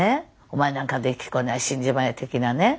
お前なんかできっこない死んじまえ的なね